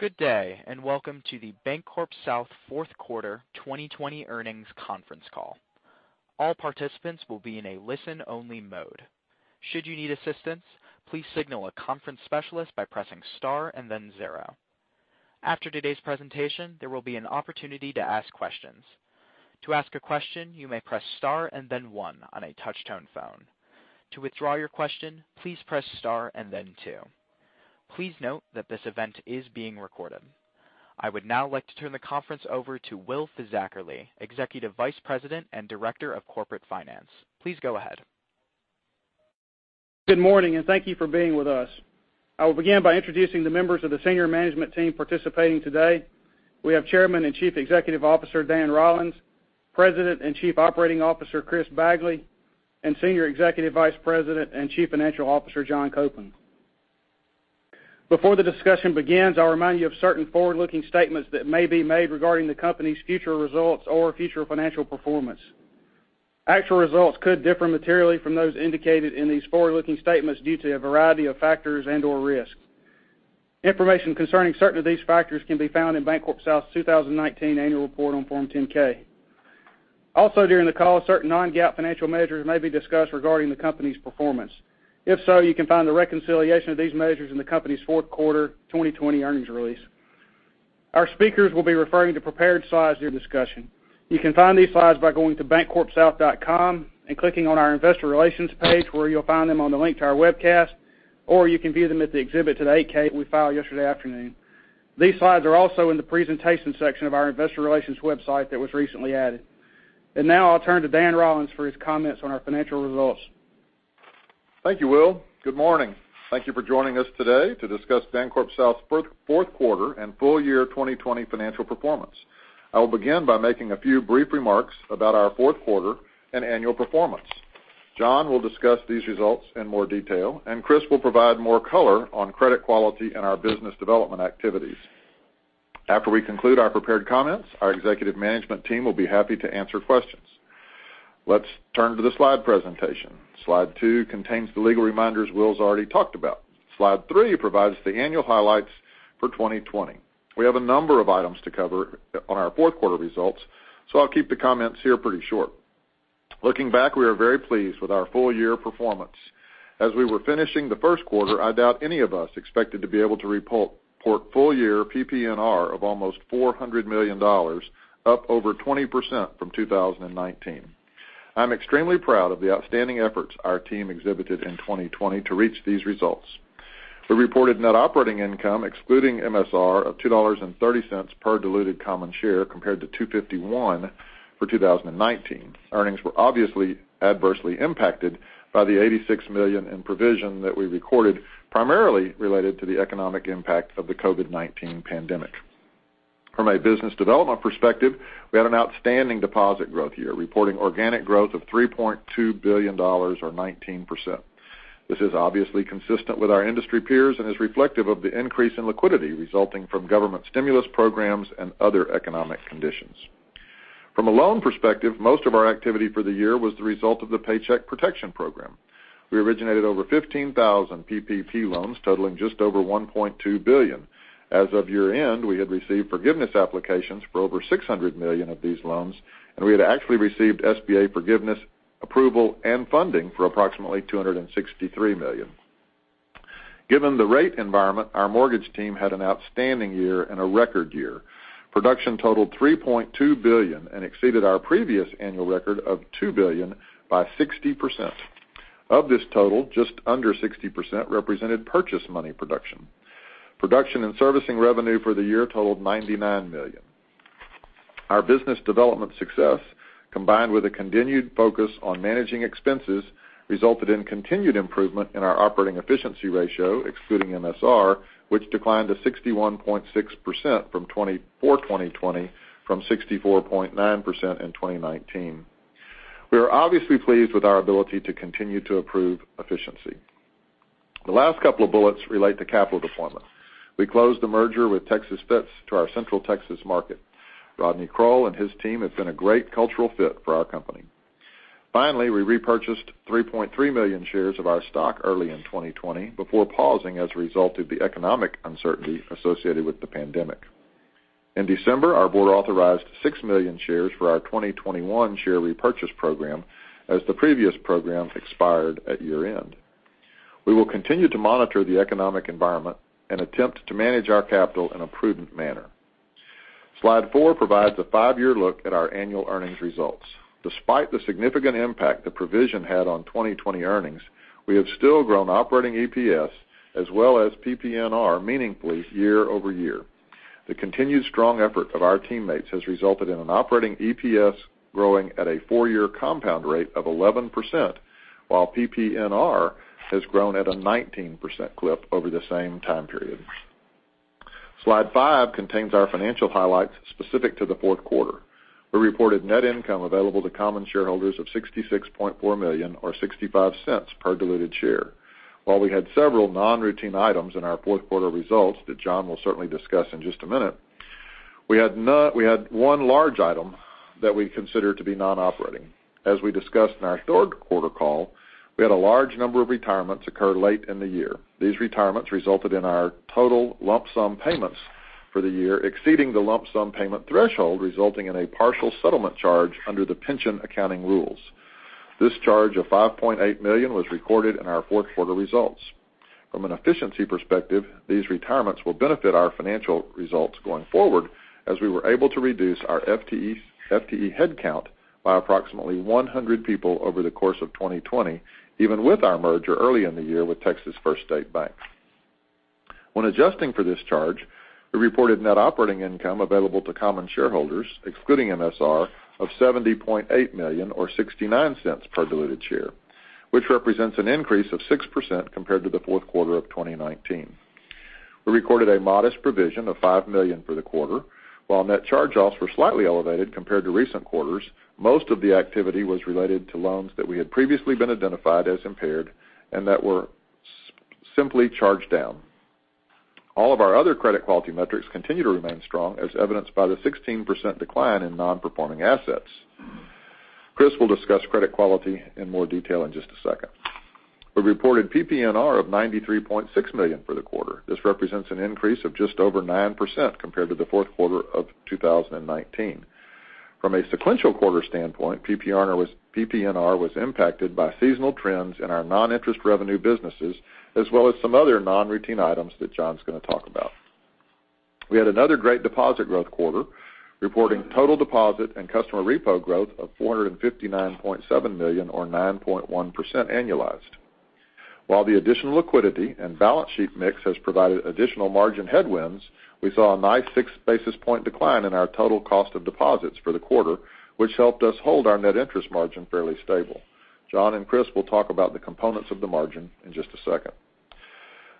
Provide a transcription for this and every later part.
Good day, and welcome to the BancorpSouth Fourth Quarter 2020 earnings conference call. I would now like to turn the conference over to Will Fisackerly, Executive Vice President and Director of Corporate Finance. Please go ahead. Good morning and thank you for being with us. I will begin by introducing the members of the senior management team participating today. We have Chairman and Chief Executive Officer, Dan Rollins, President and Chief Operating Officer, Chris Bagley, and Senior Executive Vice President and Chief Financial Officer, John Copeland. Before the discussion begins, I'll remind you of certain forward-looking statements that may be made regarding the company's future results or future financial performance. Actual results could differ materially from those indicated in these forward-looking statements due to a variety of factors and/or risks. Information concerning certain of these factors can be found in BancorpSouth's 2019 annual report on Form 10-K. Also, during the call, certain non-GAAP financial measures may be discussed regarding the company's performance. If so, you can find the reconciliation of these measures in the company's fourth quarter 2020 earnings release. Our speakers will be referring to prepared slides during the discussion. You can find these slides by going to bancorpsouth.com and clicking on our investor relations page, where you'll find them on the link to our webcast, or you can view them at the exhibit to the 8-K we filed yesterday afternoon. These slides are also in the presentation section of our investor relations website that was recently added. Now I'll turn to Dan Rollins for his comments on our financial results. Thank you, Will. Good morning. Thank you for joining us today to discuss BancorpSouth's fourth quarter and full year 2020 financial performance. I will begin by making a few brief remarks about our fourth quarter and annual performance. John will discuss these results in more detail, and Chris will provide more color on credit quality and our business development activities. After we conclude our prepared comments, our executive management team will be happy to answer questions. Let's turn to the slide presentation. Slide two contains the legal reminders Will's already talked about. Slide three provides the annual highlights for 2020. We have a number of items to cover on our fourth quarter results, so I'll keep the comments here pretty short. Looking back, we are very pleased with our full year performance. As we were finishing the first quarter, I doubt any of us expected to be able to report full year PPNR of almost $400 million, up over 20% from 2019. I'm extremely proud of the outstanding efforts our team exhibited in 2020 to reach these results. We reported net operating income excluding MSR of $2.30 per diluted common share compared to $2.51 for 2019. Earnings were obviously adversely impacted by the $86 million in provision that we recorded, primarily related to the economic impact of the COVID-19 pandemic. From a business development perspective, we had an outstanding deposit growth year, reporting organic growth of $3.2 billion or 19%. This is obviously consistent with our industry peers and is reflective of the increase in liquidity resulting from government stimulus programs and other economic conditions. From a loan perspective, most of our activity for the year was the result of the Paycheck Protection Program. We originated over 15,000 PPP loans totaling just over $1.2 billion. As of year-end, we had received forgiveness applications for over $600 million of these loans, and we had actually received SBA forgiveness approval and funding for approximately $263 million. Given the rate environment, our mortgage team had an outstanding year and a record year. Production totaled $3.2 billion and exceeded our previous annual record of $2 billion by 60%. Of this total, just under 60% represented purchase money production. Production and servicing revenue for the year totaled $99 million. Our business development success, combined with a continued focus on managing expenses, resulted in continued improvement in our operating efficiency ratio, excluding MSR, which declined to 61.6% for 2020 from 64.9% in 2019. We are obviously pleased with our ability to continue to improve efficiency. The last couple of bullets relate to capital deployment. We closed the merger with Texas First to our Central Texas market. Rodney Kroll and his team have been a great cultural fit for our company. Finally, we repurchased 3.3 million shares of our stock early in 2020 before pausing as a result of the economic uncertainty associated with the pandemic. In December, our board authorized 6 million shares for our 2021 share repurchase program as the previous program expired at year-end. We will continue to monitor the economic environment and attempt to manage our capital in a prudent manner. Slide four provides a five-year look at our annual earnings results. Despite the significant impact the provision had on 2020 earnings, we have still grown operating EPS as well as PPNR meaningfully year-over-year. The continued strong effort of our teammates has resulted in an operating EPS growing at a four-year compound rate of 11%, while PPNR has grown at a 19% clip over the same time period. Slide five contains our financial highlights specific to the fourth quarter. We reported net income available to common shareholders of $66.4 million or $0.65 per diluted share. While we had several non-routine items in our fourth quarter results that John will certainly discuss in just a minute. We had one large item that we consider to be non-operating. As we discussed in our third quarter call, we had a large number of retirements occur late in the year. These retirements resulted in our total lump sum payments for the year exceeding the lump sum payment threshold, resulting in a partial settlement charge under the pension accounting rules. This charge of $5.8 million was recorded in our fourth quarter results. From an efficiency perspective, these retirements will benefit our financial results going forward, as we were able to reduce our FTE headcount by approximately 100 people over the course of 2020, even with our merger early in the year with Texas First State Bank. When adjusting for this charge, we reported net operating income available to common shareholders, excluding MSR, of $70.8 million or $0.69 per diluted share, which represents an increase of 6% compared to the fourth quarter of 2019. We recorded a modest provision of $5 million for the quarter. While net charge-offs were slightly elevated compared to recent quarters, most of the activity was related to loans that we had previously been identified as impaired and that were simply charged down. All of our other credit quality metrics continue to remain strong, as evidenced by the 16% decline in non-performing assets. Chris will discuss credit quality in more detail in just a second. We reported PPNR of $93.6 million for the quarter. This represents an increase of just over 9% compared to the fourth quarter of 2019. From a sequential quarter standpoint, PPNR was impacted by seasonal trends in our non-interest revenue businesses, as well as some other non-routine items that John's going to talk about. We had another great deposit growth quarter, reporting total deposit and customer repo growth of $459.7 million or 9.1% annualized. While the additional liquidity and balance sheet mix has provided additional margin headwinds, we saw a nice 6 basis point decline in our total cost of deposits for the quarter, which helped us hold our net interest margin fairly stable. John and Chris will talk about the components of the margin in just a second.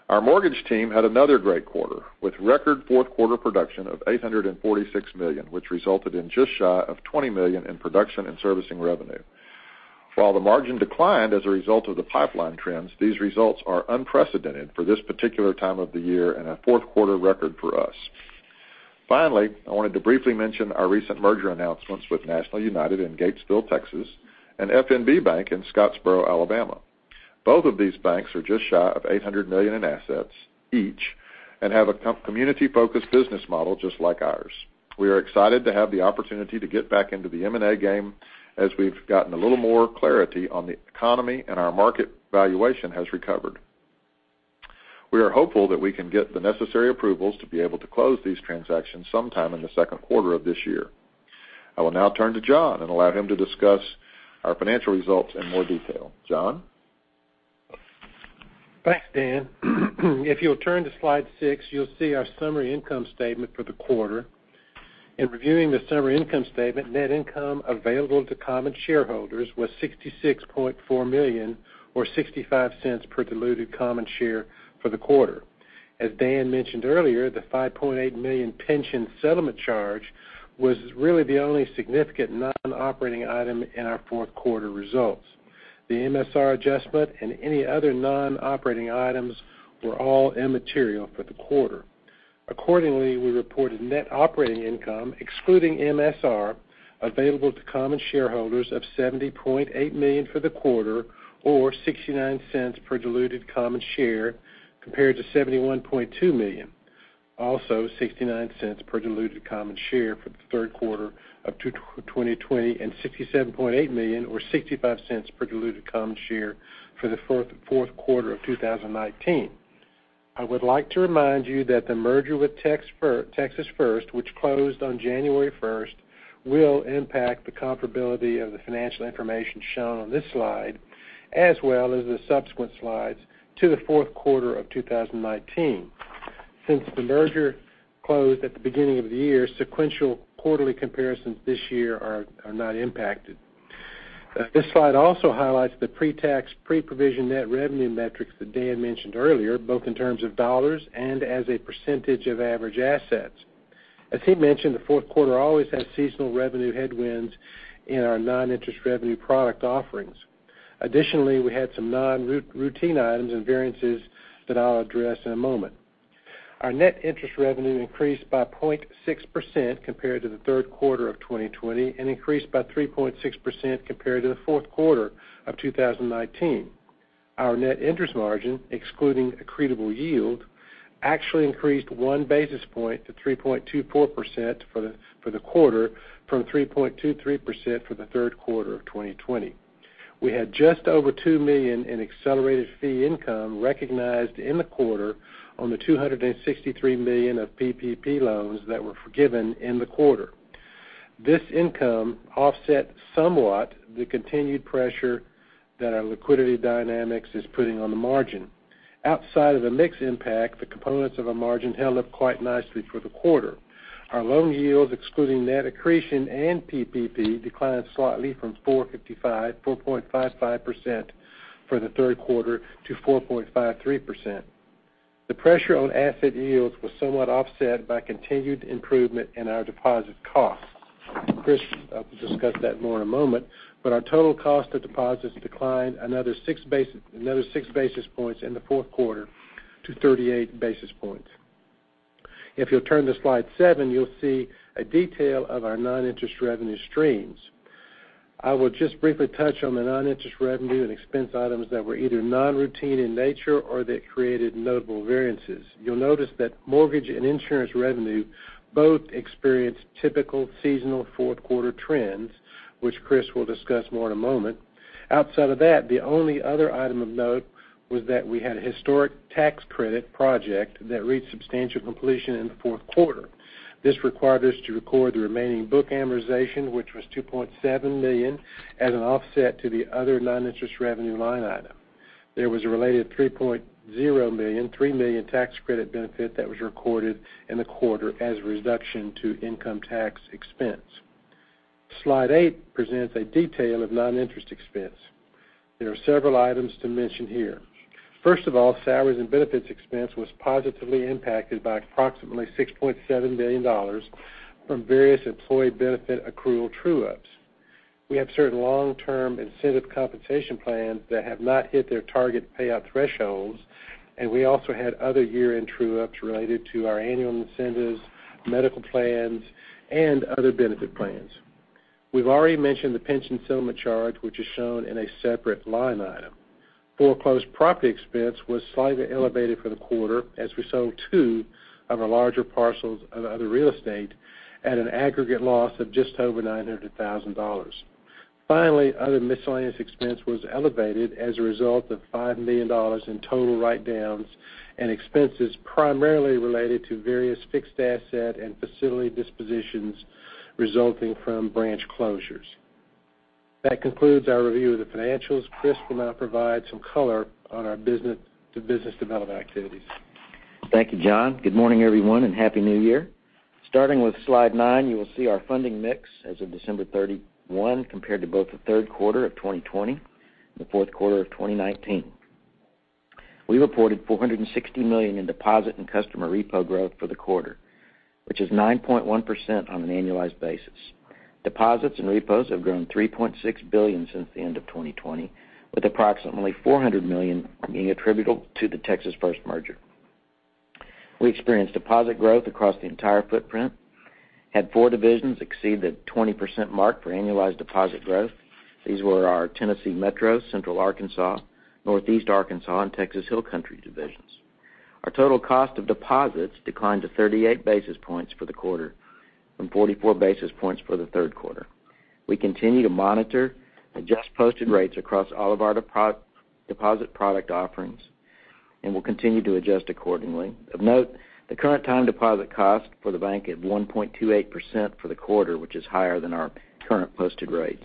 Our mortgage team had another great quarter, with record fourth quarter production of $846 million, which resulted in just shy of $20 million in production and servicing revenue. While the margin declined as a result of the pipeline trends, these results are unprecedented for this particular time of the year and a fourth quarter record for us. Finally, I wanted to briefly mention our recent merger announcements with National United in Gatesville, Texas, and FNB Bank in Scottsboro, Alabama. Both of these banks are just shy of $800 million in assets each and have a community-focused business model just like ours. We are excited to have the opportunity to get back into the M&A game, as we've gotten a little more clarity on the economy, and our market valuation has recovered. We are hopeful that we can get the necessary approvals to be able to close these transactions sometime in the second quarter of this year. I will now turn to John and allow him to discuss our financial results in more detail. John? Thanks, Dan. If you'll turn to slide six, you'll see our summary income statement for the quarter. In reviewing the summary income statement, net income available to common shareholders was $66.4 million or $0.65 per diluted common share for the quarter. As Dan mentioned earlier, the $5.8 million pension settlement charge was really the only significant non-operating item in our fourth quarter results. The MSR adjustment and any other non-operating items were all immaterial for the quarter. Accordingly, we reported net operating income, excluding MSR, available to common shareholders of $70.8 million for the quarter, or $0.69 per diluted common share, compared to $71.2 million. Also, $0.69 per diluted common share for the third quarter of 2020 and $67.8 million or $0.65 per diluted common share for the fourth quarter of 2019. I would like to remind you that the merger with Texas First, which closed on January 1st, will impact the comparability of the financial information shown on this slide, as well as the subsequent slides to the fourth quarter of 2019. Since the merger closed at the beginning of the year, sequential quarterly comparisons this year are not impacted. This slide also highlights the pre-tax, pre-provision net revenue metrics that Dan mentioned earlier, both in terms of dollars and as a % of average assets. As he mentioned, the fourth quarter always has seasonal revenue headwinds in our non-interest revenue product offerings. Additionally, we had some non-routine items and variances that I'll address in a moment. Our net interest revenue increased by 0.6% compared to the third quarter of 2020 and increased by 3.6% compared to the fourth quarter of 2019. Our net interest margin, excluding accretable yield, actually increased one basis point to 3.24% for the quarter from 3.23% for the third quarter of 2020. We had just over $2 million in accelerated fee income recognized in the quarter on the $263 million of PPP loans that were forgiven in the quarter. This income offset somewhat the continued pressure that our liquidity dynamics is putting on the margin. Outside of the mix impact, the components of our margin held up quite nicely for the quarter. Our loan yields, excluding net accretion and PPP, declined slightly from 4.55% for the third quarter to 4.53%. The pressure on asset yields was somewhat offset by continued improvement in our deposit costs. Chris will discuss that more in a moment, but our total cost of deposits declined another 6 basis points in the fourth quarter to 38 basis points. If you'll turn to slide seven, you'll see a detail of our non-interest revenue streams. I will just briefly touch on the non-interest revenue and expense items that were either non-routine in nature or that created notable variances. You'll notice that mortgage and insurance revenue both experienced typical seasonal fourth quarter trends, which Chris will discuss more in a moment. Outside of that, the only other item of note was that we had a historic tax credit project that reached substantial completion in the fourth quarter. This required us to record the remaining book amortization, which was $2.7 million, as an offset to the other non-interest revenue line item. There was a related $3.0 Million, $3 million tax credit benefit that was recorded in the quarter as a reduction to income tax expense. Slide eight presents a detail of non-interest expense. There are several items to mention here. First of all, salaries and benefits expense was positively impacted by approximately $6.7 million from various employee benefit accrual true-ups. We have certain long-term incentive compensation plans that have not hit their target payout thresholds, and we also had other year-end true-ups related to our annual incentives, medical plans, and other benefit plans. We've already mentioned the pension settlement charge, which is shown in a separate line item. Foreclosed property expense was slightly elevated for the quarter as we sold two of our larger parcels of other real estate at an aggregate loss of just over $900,000. Finally, other miscellaneous expense was elevated as a result of $5 million in total write-downs and expenses primarily related to various fixed asset and facility dispositions resulting from branch closures. That concludes our review of the financials. Chris will now provide some color on our business development activities. Thank you, John. Good morning, everyone, and happy New Year. Starting with slide nine, you will see our funding mix as of December 31, compared to both the third quarter of 2020 and the fourth quarter of 2019. We reported $460 million in deposit and customer repo growth for the quarter, which is 9.1% on an annualized basis. Deposits and repos have grown $3.6 billion since the end of 2020, with approximately $400 million being attributable to the Texas First merger. We experienced deposit growth across the entire footprint, had four divisions exceed the 20% mark for annualized deposit growth. These were our Tennessee Metro, Central Arkansas, Northeast Arkansas, and Texas Hill Country divisions. Our total cost of deposits declined to 38 basis points for the quarter from 44 basis points for the third quarter. We continue to monitor adjust posted rates across all of our deposit product offerings and will continue to adjust accordingly. Of note, the current time deposit cost for the bank at 1.28% for the quarter, which is higher than our current posted rates.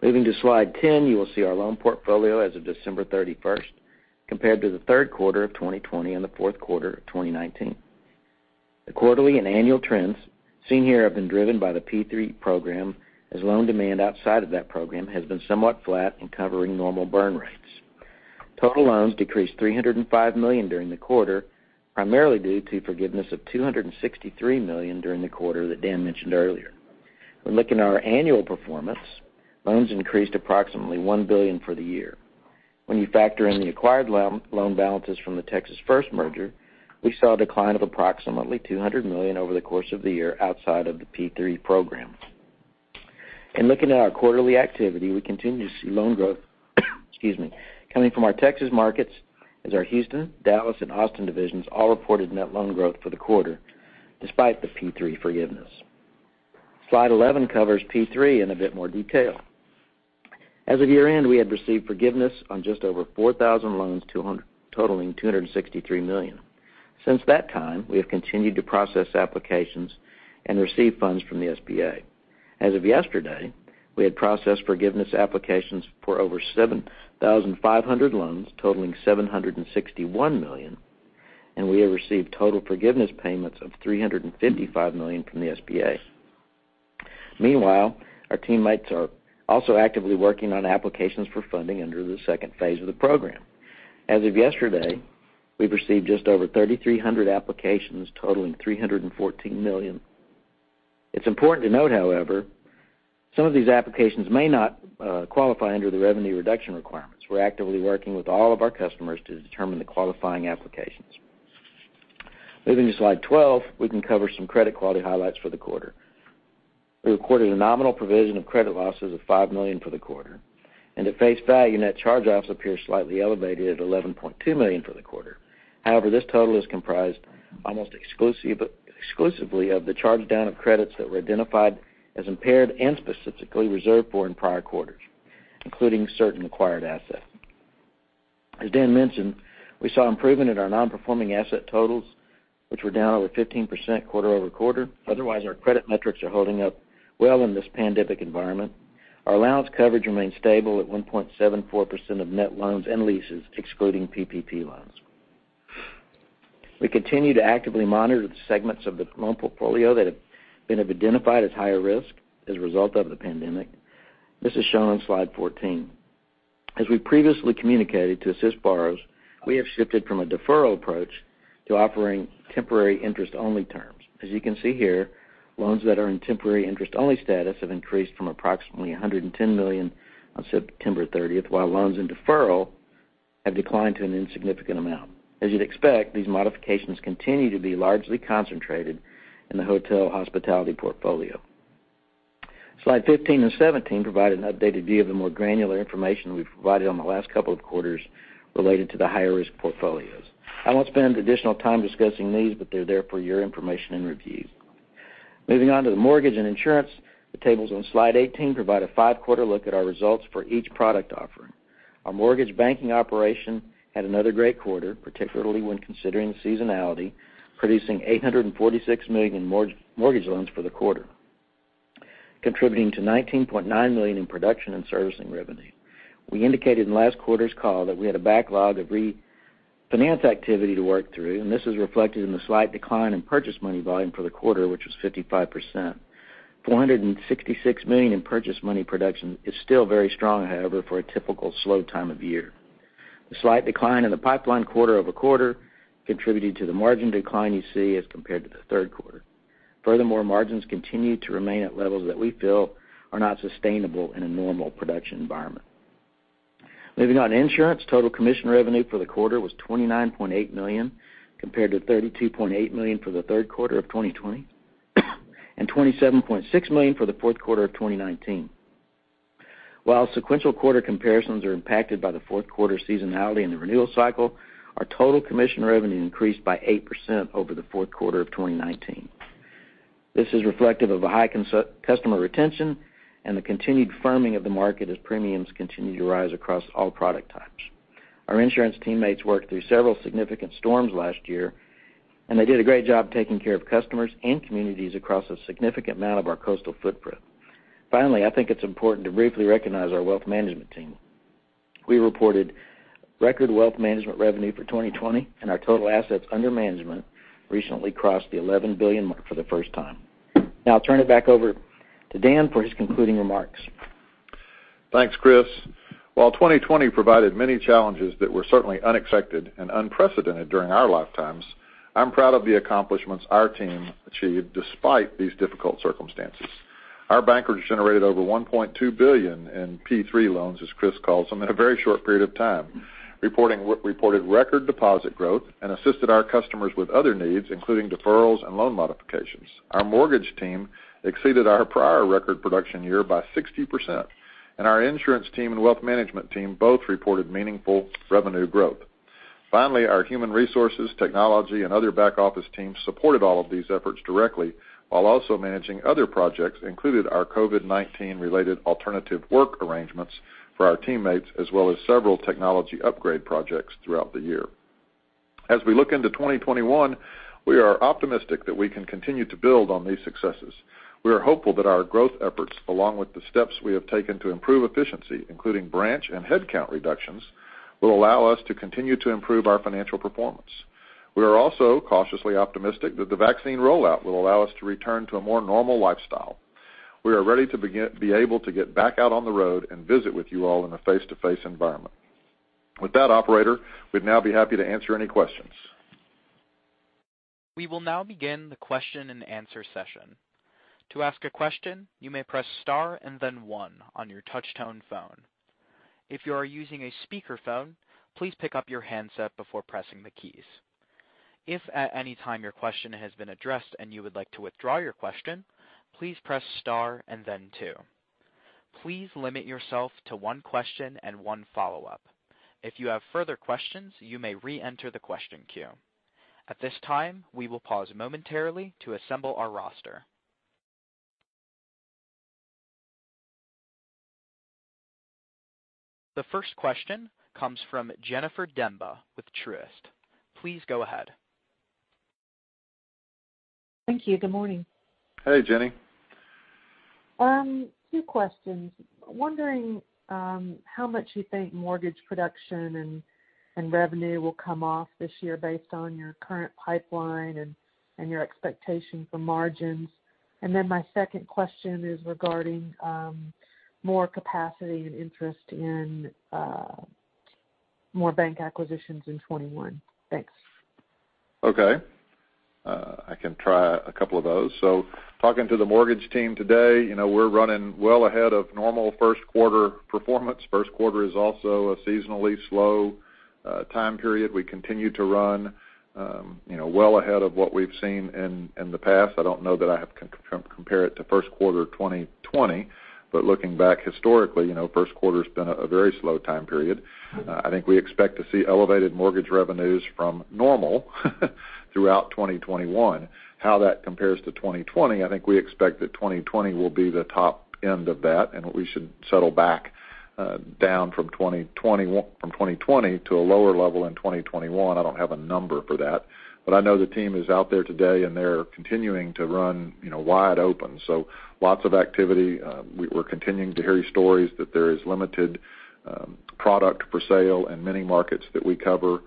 Moving to slide 10, you will see our loan portfolio as of December 31st, compared to the third quarter of 2020 and the fourth quarter of 2019. The quarterly and annual trends seen here have been driven by the PPP program, as loan demand outside of that program has been somewhat flat in covering normal burn rates. Total loans decreased $305 million during the quarter, primarily due to forgiveness of $263 million during the quarter that Dan mentioned earlier. When looking at our annual performance, loans increased approximately $1 billion for the year. When you factor in the acquired loan balances from the Texas First merger, we saw a decline of approximately $200 million over the course of the year outside of the PPP program. In looking at our quarterly activity, we continue to see loan growth coming from our Texas markets as our Houston, Dallas, and Austin divisions all reported net loan growth for the quarter despite the PPP forgiveness. Slide 11 covers PPP in a bit more detail. As of year-end, we had received forgiveness on just over 4,000 loans totaling $263 million. Since that time, we have continued to process applications and receive funds from the SBA. As of yesterday, we had processed forgiveness applications for over 7,500 loans totaling $761 million, and we have received total forgiveness payments of $355 million from the SBA. Our teammates are also actively working on applications for funding under the phase II of the program. As of yesterday, we've received just over 3,300 applications totaling $314 million. It's important to note, however, some of these applications may not qualify under the revenue reduction requirements. We're actively working with all of our customers to determine the qualifying applications. Moving to slide 12, we can cover some credit quality highlights for the quarter. We recorded a nominal provision of credit losses of $5 million for the quarter. At face value, net charge-offs appear slightly elevated at $11.2 million for the quarter. However, this total is comprised almost exclusively of the charge down of credits that were identified as impaired and specifically reserved for in prior quarters, including certain acquired assets. As Dan mentioned, we saw improvement in our non-performing asset totals, which were down over 15% quarter-over-quarter. Otherwise, our credit metrics are holding up well in this pandemic environment. Our allowance coverage remains stable at 1.74% of net loans and leases, excluding PPP loans. We continue to actively monitor the segments of the loan portfolio that have been identified as higher risk as a result of the pandemic. This is shown on slide 14. As we previously communicated to assist borrowers, we have shifted from a deferral approach to offering temporary interest-only terms. As you can see here, loans that are in temporary interest-only status have increased from approximately $110 million on September 30th, while loans in deferral have declined to an insignificant amount. As you'd expect, these modifications continue to be largely concentrated in the hotel hospitality portfolio. Slide 15 and 17 provide an updated view of the more granular information we've provided on the last couple of quarters related to the higher risk portfolios. I won't spend additional time discussing these, but they're there for your information and review. Moving on to the mortgage and insurance, the tables on slide 18 provide a five-quarter look at our results for each product offering. Our mortgage banking operation had another great quarter, particularly when considering seasonality, producing $846 million in mortgage loans for the quarter, contributing to $19.9 million in production and servicing revenue. We indicated in last quarter's call that we had a backlog of refinance activity to work through, and this is reflected in the slight decline in purchase money volume for the quarter, which was 55%. $466 million in purchase money production is still very strong, however, for a typical slow time of year. The slight decline in the pipeline quarter-over-quarter contributed to the margin decline you see as compared to the third quarter. Furthermore, margins continue to remain at levels that we feel are not sustainable in a normal production environment. Moving on to insurance, total commission revenue for the quarter was $29.8 million, compared to $32.8 million for the third quarter of 2020, and $27.6 million for the fourth quarter of 2019. While sequential quarter comparisons are impacted by the fourth quarter seasonality and the renewal cycle, our total commission revenue increased by 8% over the fourth quarter of 2019. This is reflective of a high customer retention and the continued firming of the market as premiums continue to rise across all product types. Our insurance teammates worked through several significant storms last year, and they did a great job taking care of customers and communities across a significant amount of our coastal footprint. Finally, I think it's important to briefly recognize our wealth management team. We reported record wealth management revenue for 2020, and our total assets under management recently crossed the $11 billion mark for the first time. Now I'll turn it back over to Dan for his concluding remarks. Thanks, Chris. While 2020 provided many challenges that were certainly unexpected and unprecedented during our lifetimes, I'm proud of the accomplishments our team achieved despite these difficult circumstances. Our bankers generated over $1.2 billion in PPP loans, as Chris calls them, in a very short period of time. Reported record deposit growth and assisted our customers with other needs, including deferrals and loan modifications. Our mortgage team exceeded our prior record production year by 60%, and our insurance team and wealth management team both reported meaningful revenue growth. Finally, our human resources, technology, and other back-office teams supported all of these efforts directly while also managing other projects, including our COVID-19 related alternative work arrangements for our teammates, as well as several technology upgrade projects throughout the year. As we look into 2021, we are optimistic that we can continue to build on these successes. We are hopeful that our growth efforts, along with the steps we have taken to improve efficiency, including branch and headcount reductions, will allow us to continue to improve our financial performance. We are also cautiously optimistic that the vaccine rollout will allow us to return to a more normal lifestyle. We are ready to be able to get back out on the road and visit with you all in a face-to-face environment. With that, operator, we'd now be happy to answer any questions. We will now begin the question-and-answer session. To ask a question, you may press star and then one on your touchtone phone. If you are using a speakerphone, please pick up your handset before pressing the keys. If at any time your question has been addressed and you would like to withdraw your question, please press star and then two. Please limit yourself to one question and one follow-up. If you have further questions, you may reenter the question queue. At this time, we will pause momentarily to assemble our roster. The first question comes from Jennifer Demba with Truist. Please go ahead. Thank you. Good morning. Hey, Jenny. Two questions. Wondering how much you think mortgage production and revenue will come off this year based on your current pipeline and your expectation for margins. My second question is regarding more capacity and interest in more bank acquisitions in 2021. Thanks. Okay. I can try a couple of those. Talking to the mortgage team today, we're running well ahead of normal first quarter performance. First quarter is also a seasonally slow time period. We continue to run well ahead of what we've seen in the past. I don't know that I can compare it to first quarter of 2020, but looking back historically, first quarter's been a very slow time period. I think we expect to see elevated mortgage revenues from normal throughout 2021. How that compares to 2020, I think we expect that 2020 will be the top end of that, and we should settle back down from 2020 to a lower level in 2021. I don't have a number for that, but I know the team is out there today, and they're continuing to run wide open. Lots of activity. We're continuing to hear stories that there is limited product for sale in many markets that we cover.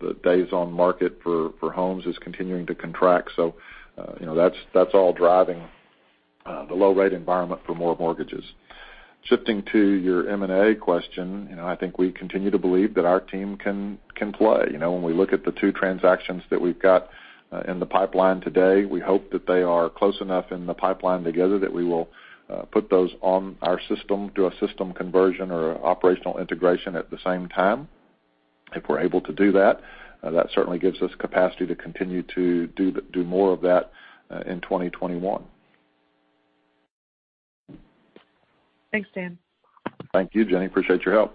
The days on market for homes is continuing to contract. That's all driving the low-rate environment for more mortgages. Shifting to your M&A question, I think we continue to believe that our team can play. When we look at the two transactions that we've got in the pipeline today, we hope that they are close enough in the pipeline together that we will put those on our system, do a system conversion or operational integration at the same time. If we're able to do that certainly gives us capacity to continue to do more of that in 2021. Thanks, Dan. Thank you, Jenny. Appreciate your help.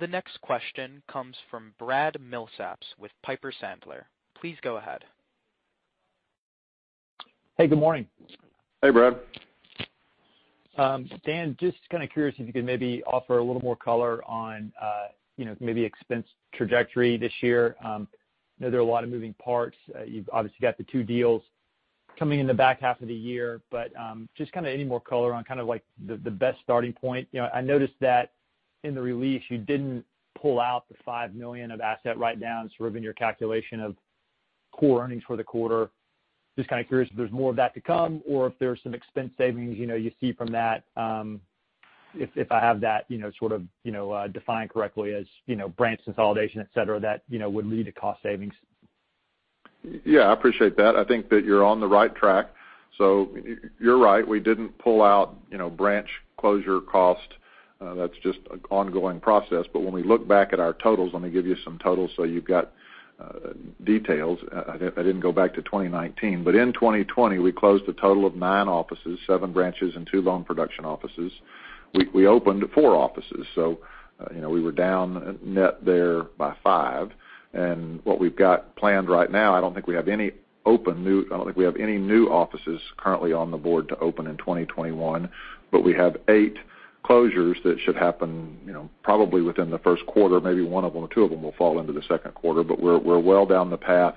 The next question comes from Brad Milsaps with Piper Sandler. Please go ahead. Hey, good morning. Hey, Brad. Dan, just kind of curious if you could maybe offer a little more color on maybe expense trajectory this year. I know there are a lot of moving parts. You've obviously got the two deals coming in the back half of the year. Just any more color on the best starting point. I noticed that in the release you didn't pull out the $5 million of asset write-downs sort of in your calculation of core earnings for the quarter. Just kind of curious if there's more of that to come or if there's some expense savings you see from that, if I have that sort of defined correctly as branch consolidation, et cetera, that would lead to cost savings. Yeah, I appreciate that. I think that you're on the right track. You're right, we didn't pull out branch closure cost. That's just an ongoing process. When we look back at our totals, let me give you some totals so you've got details. I didn't go back to 2019. In 2020, we closed a total of nine offices, seven branches and two loan production offices. We opened four offices. We were down net there by five. What we've got planned right now, I don't think we have any new offices currently on the board to open in 2021. We have eight closures that should happen probably within the first quarter. Maybe one of them or two of them will fall into the second quarter. We're well down the path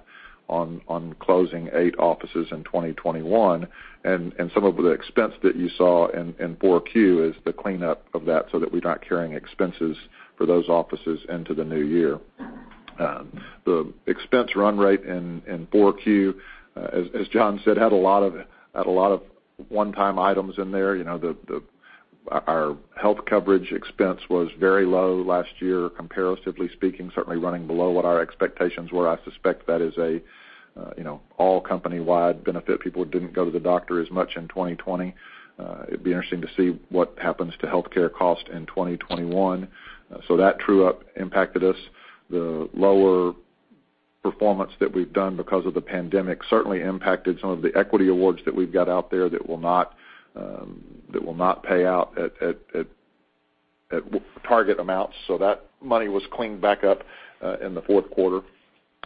on closing eight offices in 2021. Some of the expense that you saw in Q4 is the cleanup of that so that we're not carrying expenses for those offices into the new year. The expense run rate in Q4, as John said, had a lot of one-time items in there. Our health coverage expense was very low last year, comparatively speaking, certainly running below what our expectations were. I suspect that is an all company-wide benefit. People didn't go to the doctor as much in 2020. It'd be interesting to see what happens to healthcare cost in 2021. That true-up impacted us. The lower performance that we've done because of the pandemic certainly impacted some of the equity awards that we've got out there that will not pay out at target amounts. That money was cleaned back up in the fourth quarter.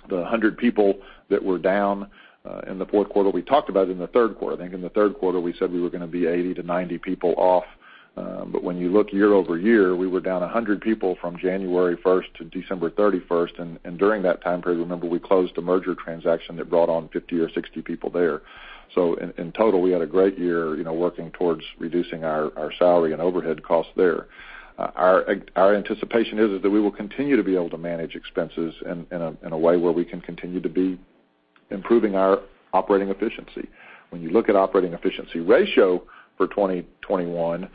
The 100 people that were down in the fourth quarter, we talked about in the third quarter. I think in the third quarter, we said we were going to be 80-90 people off. When you look year-over-year, we were down 100 people from January 1st-December 31st. During that time period, remember, we closed a merger transaction that brought on 50 or 60 people there. In total, we had a great year working towards reducing our salary and overhead costs there. Our anticipation is that we will continue to be able to manage expenses in a way where we can continue to be improving our operating efficiency. When you look at operating efficiency ratio for 2021,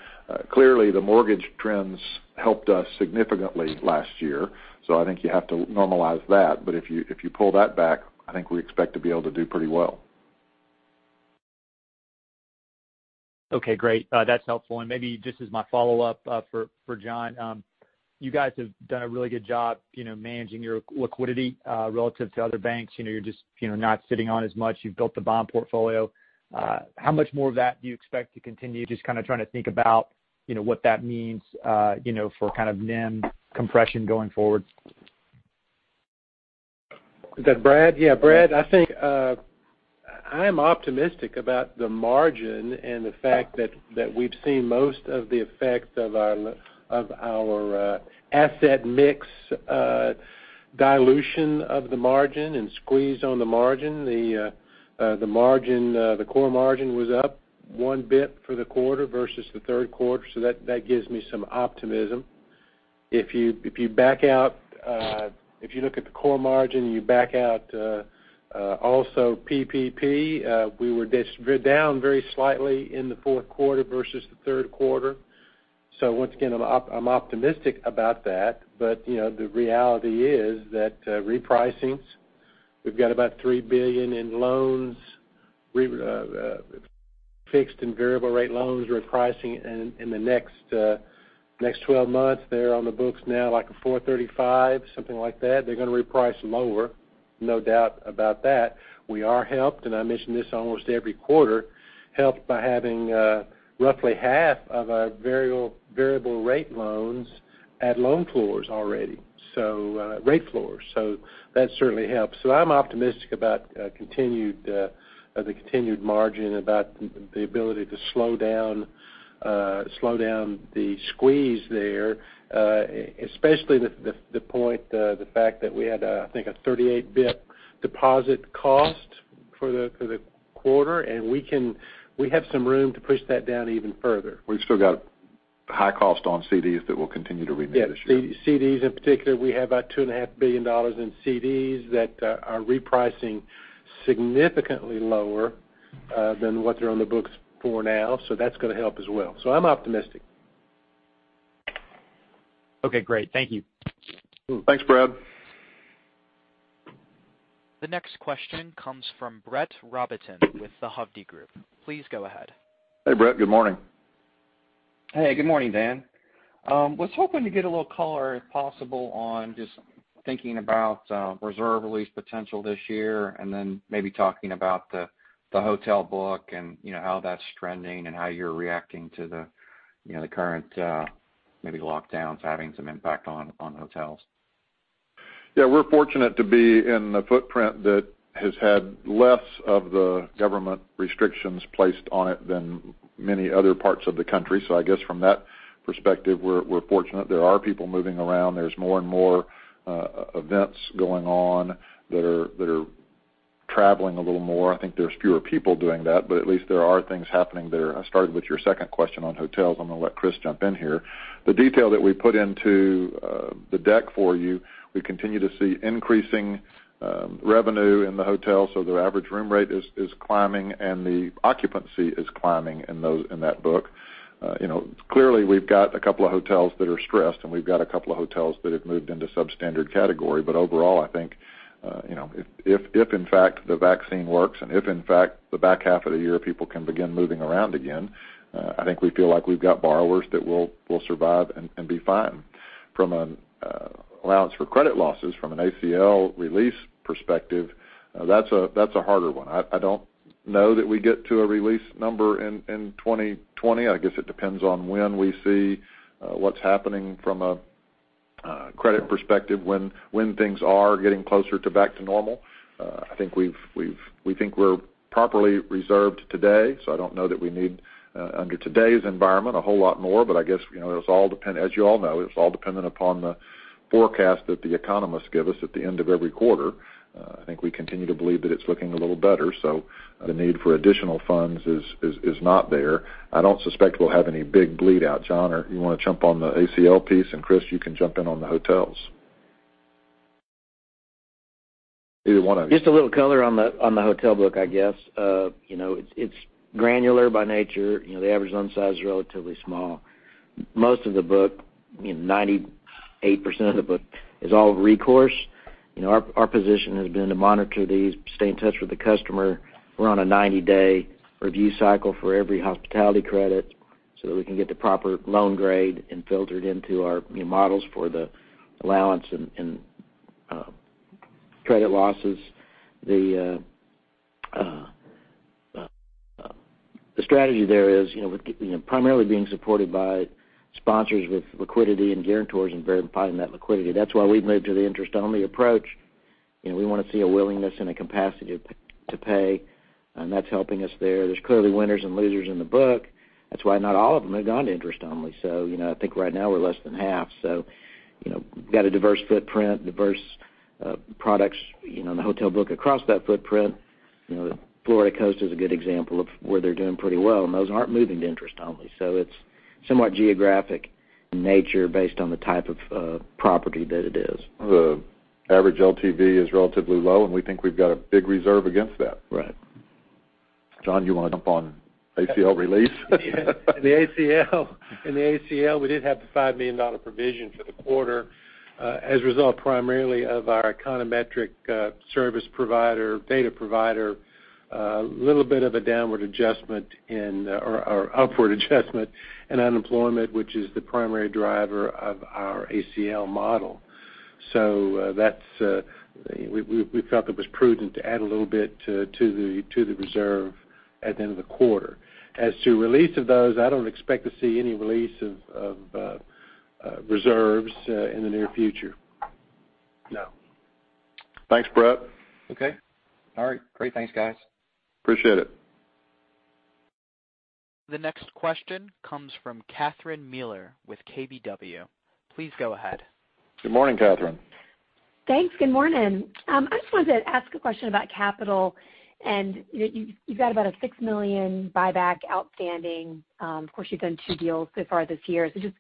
clearly the mortgage trends helped us significantly last year. I think you have to normalize that. If you pull that back, I think we expect to be able to do pretty well. Okay, great. That's helpful. Maybe just as my follow-up for John, you guys have done a really good job managing your liquidity relative to other banks. You're just not sitting on as much. You've built the bond portfolio. How much more of that do you expect to continue? Just kind of trying to think about what that means for NIM compression going forward. Is that Brad? Yeah, Brad, I think I'm optimistic about the margin and the fact that we've seen most of the effects of our asset mix dilution of the margin and squeeze on the margin. The core margin was up 1 basis point for the quarter versus the third quarter, that gives me some optimism. If you look at the core margin and you back out also PPP, we were down very slightly in the fourth quarter versus the third quarter. Once again, I'm optimistic about that. The reality is that repricings, we've got about $3 billion in fixed and variable rate loans repricing in the next 12 months. They're on the books now, like a 4.35%, something like that. They're going to reprice lower, no doubt about that. We are helped, and I mention this almost every quarter, helped by having roughly half of our variable rate loans at loan floors already, rate floors. That certainly helps. I'm optimistic about the continued margin, about the ability to slow down the squeeze there, especially the fact that we had, I think, a 38 basis point deposit cost for the quarter, and we have some room to push that down even further. We've still got high cost on CDs that will continue to reprice this year. Yeah. CDs in particular, we have about $2.5 billion in CDs that are repricing significantly lower than what they're on the books for now. That's going to help as well. I'm optimistic. Okay, great. Thank you. Thanks, Brad. The next question comes from Brett Rabatin with The Hovde Group. Please go ahead. Hey, Brett. Good morning. Hey, good morning, Dan. Was hoping to get a little color, if possible, on just thinking about reserve release potential this year, and then maybe talking about the hotel book and how that's trending and how you're reacting to the current maybe lockdowns having some impact on hotels? We're fortunate to be in the footprint that has had less of the government restrictions placed on it than many other parts of the country. I guess from that perspective, we're fortunate. There are people moving around. There's more and more events going on that are traveling a little more. I think there's fewer people doing that, but at least there are things happening there. I started with your second question on hotels. I'm going to let Chris jump in here. The detail that we put into the deck for you, we continue to see increasing revenue in the hotels. Their average room rate is climbing, and the occupancy is climbing in that book. We've got a couple of hotels that are stressed, and we've got a couple of hotels that have moved into substandard category. Overall, I think, if in fact the vaccine works and if in fact the back half of the year, people can begin moving around again, I think we feel like we've got borrowers that will survive and be fine. From an allowance for credit losses, from an ACL release perspective, that's a harder one. I don't know that we get to a release number in 2020. I guess it depends on when we see what's happening from a credit perspective when things are getting closer to back to normal. We think we're properly reserved today, I don't know that we need, under today's environment, a whole lot more. I guess, as you all know, it's all dependent upon the forecast that the economists give us at the end of every quarter. I think we continue to believe that it's looking a little better. The need for additional funds is not there. I don't suspect we'll have any big bleed out. John, you want to jump on the ACL piece, and Chris, you can jump in on the hotels. Either one of you. A little color on the hotel book, I guess. It's granular by nature. The average loan size is relatively small. Most of the book, 98% of the book is all recourse. Our position has been to monitor these, stay in touch with the customer. We're on a 90-day review cycle for every hospitality credit so that we can get the proper loan grade and filter it into our models for the allowance and credit losses. The strategy there is primarily being supported by sponsors with liquidity and guarantors and very implying that liquidity. Why we've moved to the interest-only approach. We want to see a willingness and a capacity to pay, that's helping us there. There's clearly winners and losers in the book. Why not all of them have gone to interest only. I think right now we're less than half. Got a diverse footprint, diverse products in the hotel book across that footprint. The Florida coast is a good example of where they're doing pretty well, and those aren't moving to interest only. It's somewhat geographic in nature based on the type of property that it is. The average LTV is relatively low, and we think we've got a big reserve against that. Right. John, you want to jump on ACL release? Yeah. In the ACL, we did have the $5 million provision for the quarter as a result primarily of our econometric service provider, data provider. A little bit of a downward adjustment in or upward adjustment in unemployment, which is the primary driver of our ACL model. We felt it was prudent to add a little bit to the reserve at the end of the quarter. As to release of those, I don't expect to see any release of reserves in the near future. No. Thanks, Brett. Okay. All right. Great. Thanks, guys. Appreciate it. The next question comes from Catherine Mealor with KBW. Please go ahead. Good morning, Catherine. Thanks. Good morning. I just wanted to ask a question about capital, you've got about a $6 million buyback outstanding. Of course, you've done 2 deals so far this year. Just,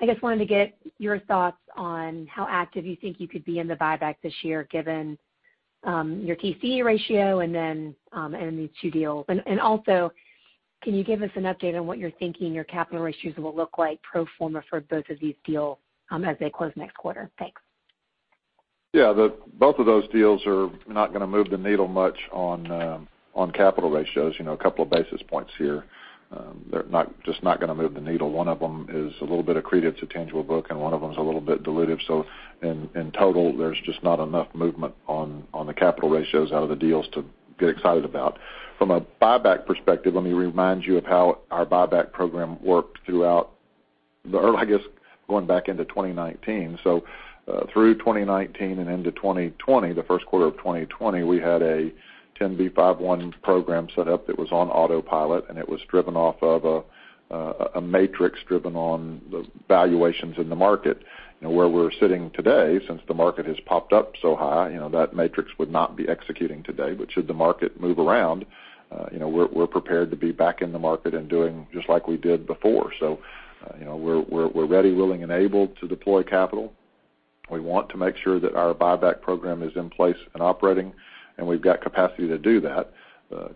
I guess, wanted to get your thoughts on how active you think you could be in the buyback this year, given your TCE ratio and these two deals. Also, can you give us an update on what you're thinking your capital ratios will look like pro forma for both of these deals as they close next quarter? Thanks. Yeah. Both of those deals are not going to move the needle much on capital ratios. A couple of basis points here. They're just not going to move the needle. One of them is a little bit accreted to tangible book, and one of them is a little bit dilutive. In total, there's just not enough movement on the capital ratios out of the deals to get excited about. From a buyback perspective, let me remind you of how our buyback program worked throughout the early, I guess, going back into 2019. Through 2019 and into 2020, the first quarter of 2020, we had a 10b5-1 program set up that was on autopilot, and it was driven off of a matrix driven on the valuations in the market. Where we're sitting today, since the market has popped up so high, that matrix would not be executing today. Should the market move around, we're prepared to be back in the market and doing just like we did before. We're ready, willing, and able to deploy capital. We want to make sure that our buyback program is in place and operating, and we've got capacity to do that.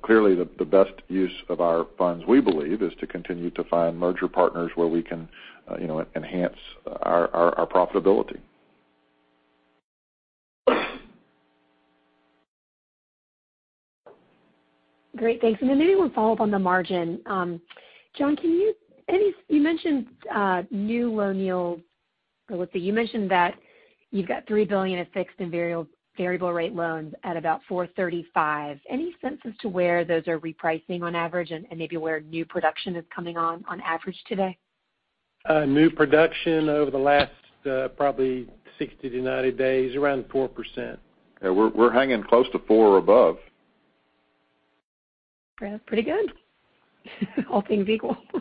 Clearly, the best use of our funds, we believe, is to continue to find merger partners where we can enhance our profitability. Great. Thanks. Maybe we'll follow up on the margin. John, you mentioned new loan yield. Let's see, you mentioned that you've got $3 billion of fixed and variable rate loans at about 4.35%. Any sense as to where those are repricing on average and maybe where new production is coming on average today? New production over the last probably 60-90 days, around 4%. Yeah, we're hanging close to 4% above. Yeah. Pretty good. All things equal. All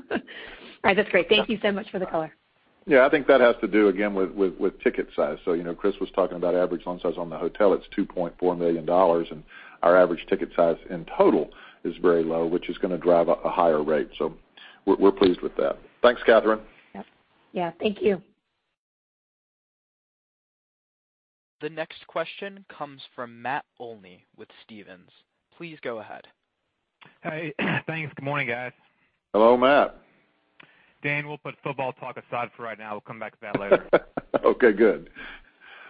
right. That's great. Thank you so much for the color. I think that has to do, again, with ticket size. Chris was talking about average loan size on the hotel, it's $2.4 million. Our average ticket size in total is very low, which is going to drive up a higher rate. We're pleased with that. Thanks, Catherine. Yep. Yeah. Thank you. The next question comes from Matt Olney with Stephens. Please go ahead. Hey. Thanks. Good morning, guys. Hello, Matt. Dan, we'll put football talk aside for right now. We'll come back to that later. Okay, good.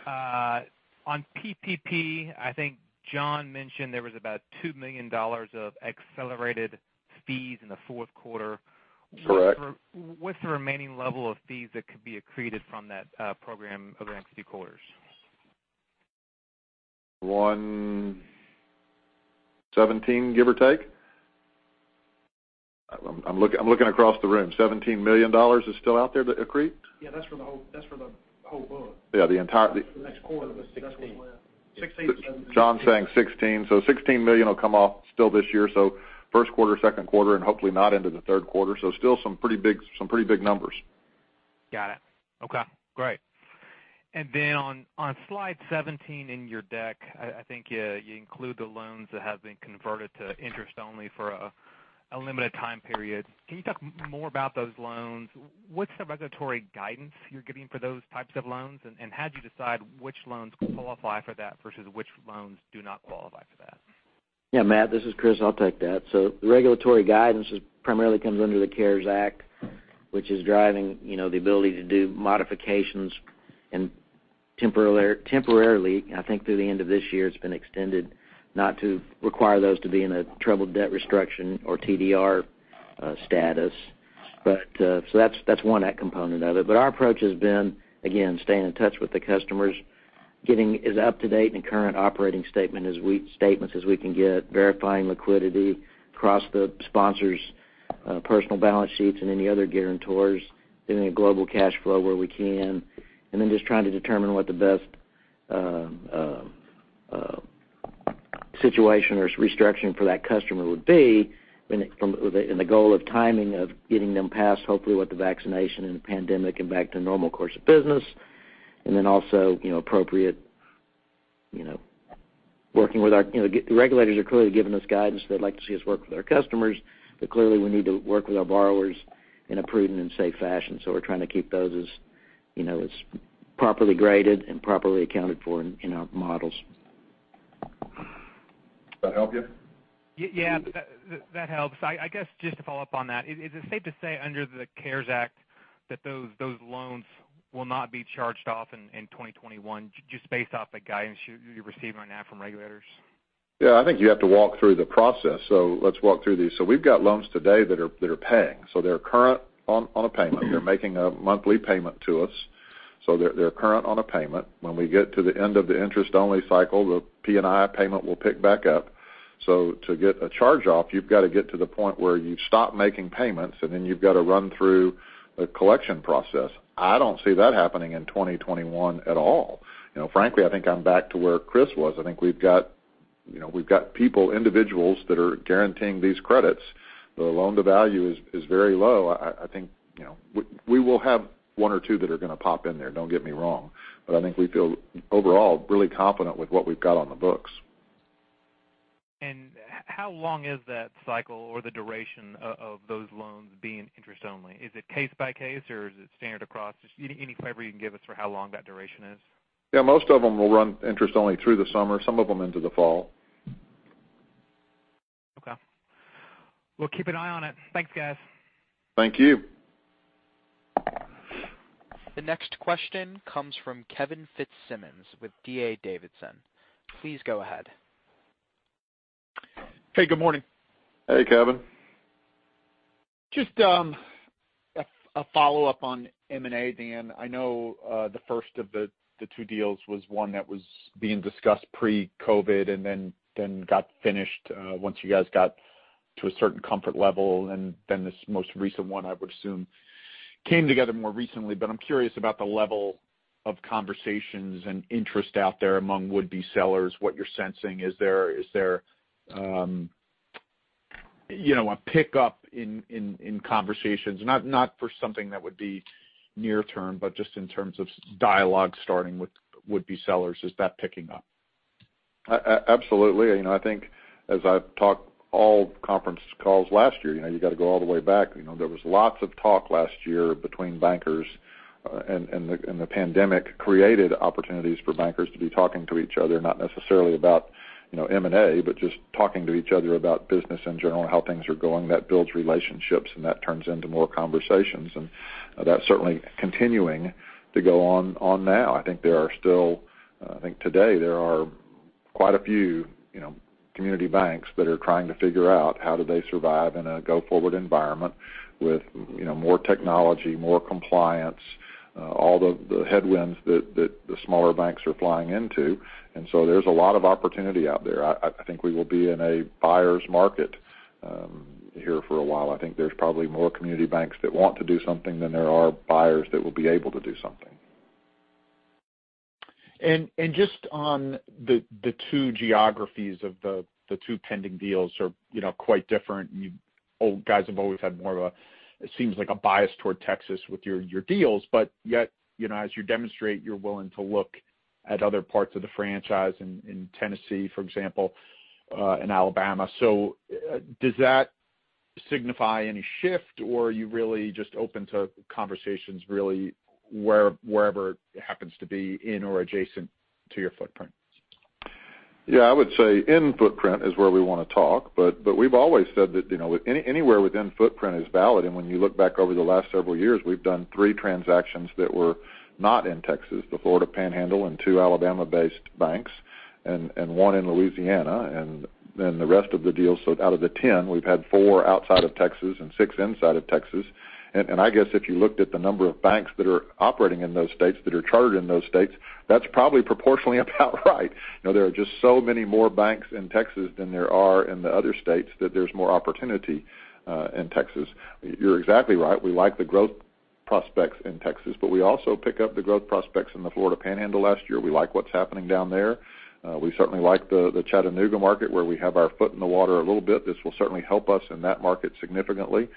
On PPP, I think John mentioned there was about $2 million of accelerated fees in the fourth quarter. Correct. What's the remaining level of fees that could be accreted from that program over the next few quarters? $117 million, give or take? I'm looking across the room. $17 million is still out there to accrete? Yeah, that's for the whole book. Yeah, the entire- For the next quarter. $16 million. John's saying $16 million. $16 million will come off still this year. First quarter, second quarter, and hopefully not into the third quarter. Still some pretty big numbers. Got it. Okay. Great. On slide 17 in your deck, I think you include the loans that have been converted to interest only for a limited time period. Can you talk more about those loans? What's the regulatory guidance you're getting for those types of loans, and how do you decide which loans qualify for that versus which loans do not qualify for that? Matt, this is Chris. I'll take that. The regulatory guidance primarily comes under the CARES Act, which is driving the ability to do modifications temporarily, I think through the end of this year it's been extended, not to require those to be in a Troubled Debt Restriction or TDR status. Our approach has been, again, staying in touch with the customers, getting as up to date and current operating statements as we can get, verifying liquidity across the sponsors' personal balance sheets and any other guarantors, getting a global cash flow where we can. Then just trying to determine what the best situation or restriction for that customer would be in the goal of timing of getting them past, hopefully, with the vaccination and the pandemic and back to normal course of business. Also appropriate, Regulators are clearly giving us guidance. They'd like to see us work with our customers, but clearly we need to work with our borrowers in a prudent and safe fashion. We're trying to keep those as properly graded and properly accounted for in our models. That help you? That helps. I guess, just to follow up on that, is it safe to say under the CARES Act that those loans will not be charged off in 2021, just based off the guidance you're receiving on that from regulators? Yeah. I think you have to walk through the process. Let's walk through these. We've got loans today that are paying. They're current on a payment. They're making a monthly payment to us. They're current on a payment. When we get to the end of the interest-only cycle, the P&I payment will pick back up. To get a charge-off, you've got to get to the point where you stop making payments, and then you've got to run through a collection process. I don't see that happening in 2021 at all. Frankly, I think I'm back to where Chris was. I think we've got people, individuals, that are guaranteeing these credits. The loan-to-value is very low. I think we will have one or two that are going to pop in there. Don't get me wrong. I think we feel overall really confident with what we've got on the books. How long is that cycle or the duration of those loans being interest only? Is it case by case or is it standard across? Just any flavor you can give us for how long that duration is. Yeah. Most of them will run interest only through the summer, some of them into the fall. Okay. We'll keep an eye on it. Thanks, guys. Thank you. The next question comes from Kevin Fitzsimmons with D.A. Davidson. Please go ahead. Hey, good morning. Hey, Kevin. Just a follow-up on M&A, Dan. I know the first of the two deals was one that was being discussed pre-COVID and then got finished once you guys got to a certain comfort level. Then this most recent one, I would assume, came together more recently. I'm curious about the level of conversations and interest out there among would-be sellers, what you're sensing. Is there any pickup in conversations, not for something that would be near term, but just in terms of dialogue starting with would-be sellers? Is that picking up? Absolutely. I think as I've talked all conference calls last year, you've got to go all the way back. There was lots of talk last year between bankers, and the pandemic created opportunities for bankers to be talking to each other, not necessarily about M&A, but just talking to each other about business in general and how things are going. That builds relationships, and that turns into more conversations. That's certainly continuing to go on now. I think today there are quite a few community banks that are trying to figure out how do they survive in a go-forward environment with more technology, more compliance, all the headwinds that the smaller banks are flying into. There's a lot of opportunity out there. I think we will be in a buyer's market here for a while. I think there's probably more community banks that want to do something than there are buyers that will be able to do something. Just on the two geographies of the two pending deals are quite different. You guys have always had more of a, it seems like a bias toward Texas with your deals. Yet, as you demonstrate, you're willing to look at other parts of the franchise in Tennessee, for example, and Alabama. Does that signify any shift, or are you really just open to conversations really wherever it happens to be in or adjacent to your footprint? Yeah, I would say in footprint is where we want to talk, but we've always said that anywhere within footprint is valid. When you look back over the last several years, we've done three transactions that were not in Texas, the Florida Panhandle and two Alabama-based banks, and one in Louisiana. Then the rest of the deals, so out of the 10, we've had four outside of Texas and six inside of Texas. I guess if you looked at the number of banks that are operating in those states, that are chartered in those states, that's probably proportionally about right. There are just so many more banks in Texas than there are in the other states that there's more opportunity in Texas. You're exactly right. We like the growth prospects in Texas, but we also pick up the growth prospects in the Florida Panhandle last year. We like what's happening down there. We certainly like the Chattanooga market where we have our foot in the water a little bit. This will certainly help us in that market significantly.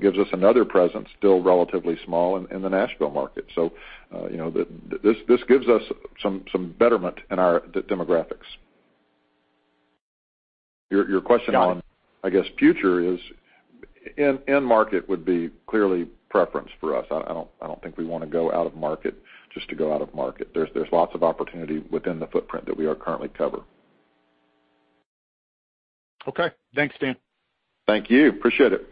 Gives us another presence, still relatively small, in the Nashville market. This gives us some betterment in our demographics. Got it. I guess future is in-market would be clearly preference for us. I don't think we want to go out of market just to go out of market. There's lots of opportunity within the footprint that we are currently covering. Okay. Thanks, Dan. Thank you. Appreciate it.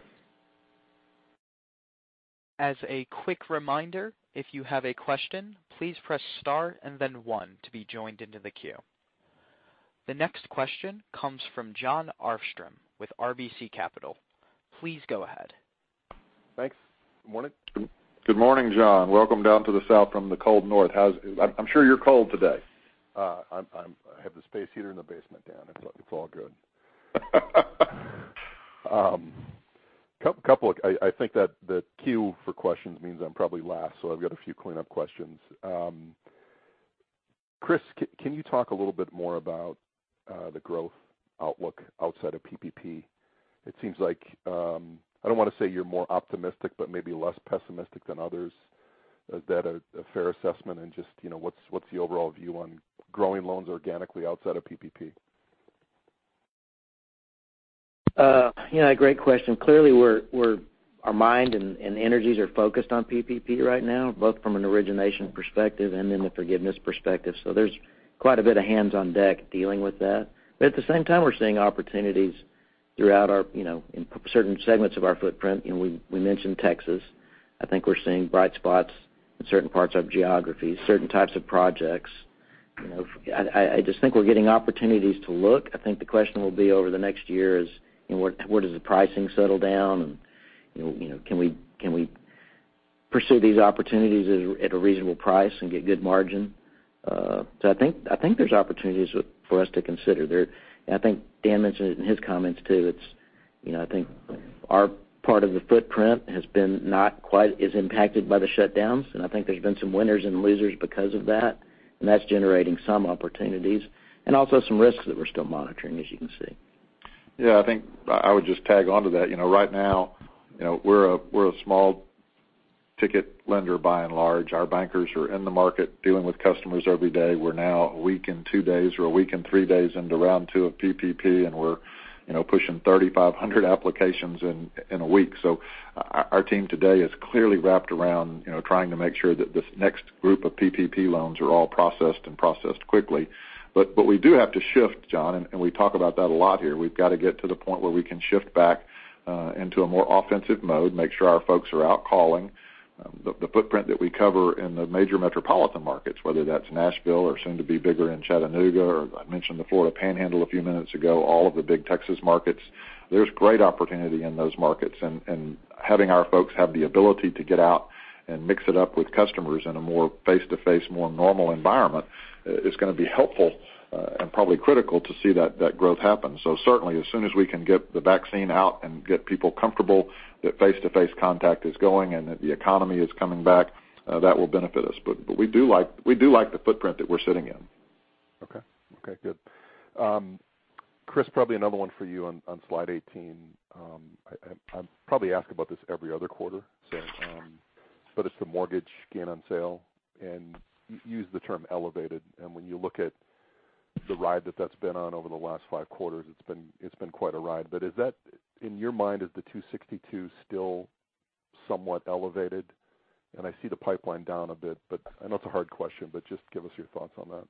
As a quick reminder, if you have a question, please press star and then one to be joined into the queue. The next question comes from Jon Arfstrom with RBC Capital. Please go ahead. Thanks. Good morning. Good morning, Jon. Welcome down to the south from the cold north. I'm sure you're cold today. I have the space heater in the basement, Dan. It's all good. I think that the queue for questions means I'm probably last, so I've got a few cleanup questions. Chris, can you talk a little bit more about the growth outlook outside of PPP? It seems like, I don't want to say you're more optimistic, but maybe less pessimistic than others. Is that a fair assessment? Just what's the overall view on growing loans organically outside of PPP? Yeah, great question. Clearly our mind and energies are focused on PPP right now, both from an origination perspective and in the forgiveness perspective. There's quite a bit of hands-on deck dealing with that. At the same time, we're seeing opportunities in certain segments of our footprint. We mentioned Texas. I think we're seeing bright spots in certain parts of geographies, certain types of projects. I just think we're getting opportunities to look. I think the question will be over the next year is where does the pricing settle down, and can we pursue these opportunities at a reasonable price and get good margin? I think there's opportunities for us to consider. I think Dan mentioned it in his comments, too. I think our part of the footprint has been not quite as impacted by the shutdowns. I think there's been some winners and losers because of that. That's generating some opportunities and also some risks that we're still monitoring, as you can see. Yeah, I think I would just tag onto that. Right now, we're a small-ticket lender, by and large. Our bankers are in the market dealing with customers every day. We're now a week and two days, or a week and three days into round two of PPP, and we're pushing 3,500 applications in a week. Our team today is clearly wrapped around trying to make sure that this next group of PPP loans are all processed and processed quickly. We do have to shift, John, and we talk about that a lot here. We've got to get to the point where we can shift back into a more offensive mode, make sure our folks are out calling. The footprint that we cover in the major metropolitan markets, whether that's Nashville or soon to be bigger in Chattanooga, or I mentioned the Florida Panhandle a few minutes ago, all of the big Texas markets. There's great opportunity in those markets and having our folks have the ability to get out and mix it up with customers in a more face-to-face, more normal environment is going to be helpful and probably critical to see that growth happen. Certainly, as soon as we can get the vaccine out and get people comfortable that face-to-face contact is going and that the economy is coming back, that will benefit us. We do like the footprint that we're sitting in. Okay. Good. Chris, probably another one for you on slide 18. I probably ask about this every other quarter, but it's the mortgage gain on sale, and you use the term elevated. When you look at the ride that that's been on over the last five quarters, it's been quite a ride. In your mind, is the $262 million still somewhat elevated? I see the pipeline down a bit, but I know it's a hard question but just give us your thoughts on that.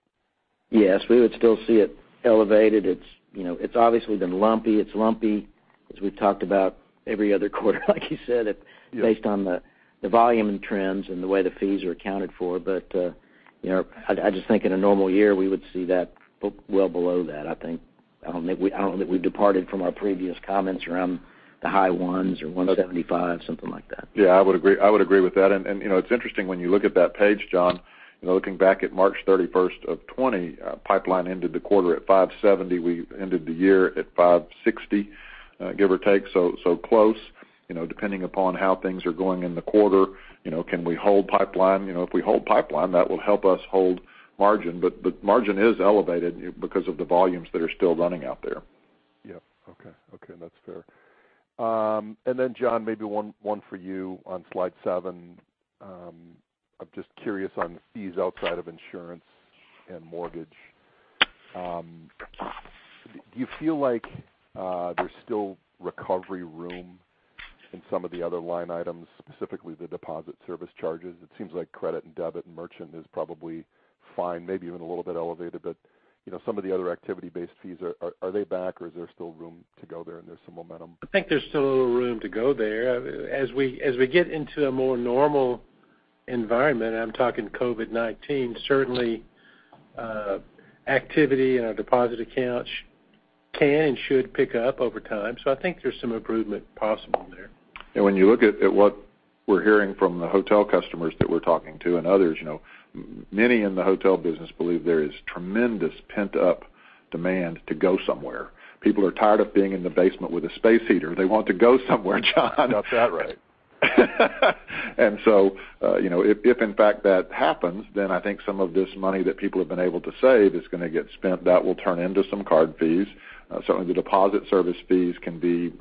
Yes. We would still see it elevated. It's obviously been lumpy. It's lumpy as we've talked about every other quarter, like you said, based on the volume and trends and the way the fees are accounted for. I just think in a normal year, we would see that well below that, I think. I don't think we've departed from our previous comments around the high ones or $175 million, something like that. Yeah, I would agree with that. It's interesting when you look at that page, Jon, looking back at March 31st of 2020, pipeline ended the quarter at $570 million. We ended the year at $560 million, give or take, so close. Depending upon how things are going in the quarter, can we hold pipeline? If we hold pipeline, that will help us hold margin. Margin is elevated because of the volumes that are still running out there. Yeah. Okay. That's fair. John, maybe one for you on slide seven. I'm just curious on fees outside of insurance and mortgage. Do you feel like there's still recovery room in some of the other line items, specifically the deposit service charges? It seems like credit and debit and merchant is probably fine, maybe even a little bit elevated, some of the other activity-based fees, are they back or is there still room to go there and there's some momentum? I think there's still a little room to go there. As we get into a more normal environment, I'm talking COVID-19, certainly, activity in our deposit accounts can and should pick up over time. I think there's some improvement possible there. When you look at what we're hearing from the hotel customers that we're talking to and others, many in the hotel business believe there is tremendous pent-up demand to go somewhere. People are tired of being in the basement with a space heater. They want to go somewhere, Jon. Got that right. If in fact that happens, I think some of this money that people have been able to save is going to get spent. That will turn into some card fees. Certainly, the deposit service fees can be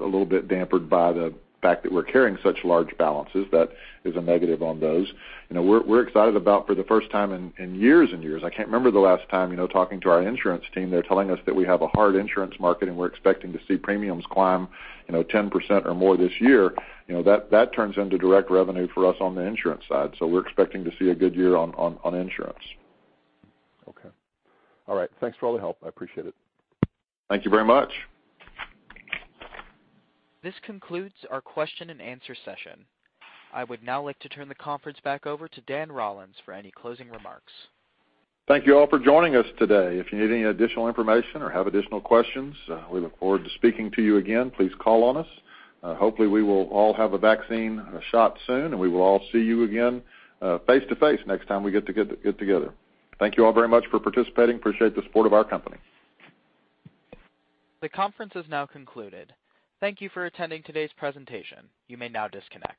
a little bit dampened by the fact that we're carrying such large balances. That is a negative on those. We're excited about for the first time in years, I can't remember the last time talking to our insurance team, they're telling us that we have a hard insurance market, and we're expecting to see premiums climb 10% or more this year. That turns into direct revenue for us on the insurance side. We're expecting to see a good year on insurance. Okay. All right. Thanks for all the help. I appreciate it. Thank you very much. This concludes our question-and-answer session. I would now like to turn the conference back over to Dan Rollins for any closing remarks. Thank you all for joining us today. If you need any additional information or have additional questions, we look forward to speaking to you again. Please call on us. Hopefully, we will all have a vaccine shot soon, and we will all see you again face-to-face next time we get together. Thank you all very much for participating. Appreciate the support of our company. The conference is now concluded. Thank you for attending today's presentation. You may now disconnect.